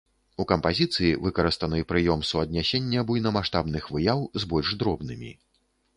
У кампазіцыі выкарыстаны прыём суаднясення буйнамаштабных выяў з больш дробнымі.